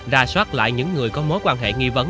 ra soát lại những người có mối quan hệ nghi vấn